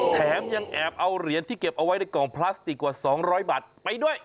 แถมยังแอบเอาเหรียญที่เก็บเอาไว้ในกล่องพลาสติกกว่า๒๐๐บาทไปด้วย